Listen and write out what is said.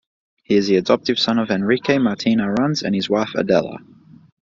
He is the adoptive son of Enrique Martin Arranz and his wife Adela.